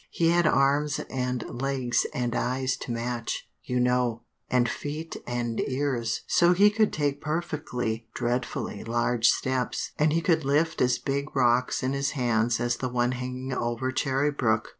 He had arms and legs and eyes to match, you know, and feet and ears, so he could take perfectly dreadfully large steps, and he could lift as big rocks in his hands as the one hanging over Cherry Brook.